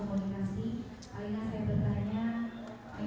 melalui saudara pengingin